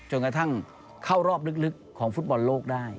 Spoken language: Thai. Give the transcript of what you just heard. กระทั่งเข้ารอบลึกของฟุตบอลโลกได้